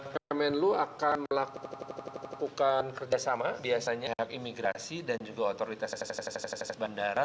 kmu akan melakukan kerjasama biasanya dengan imigrasi dan juga otoritas bandara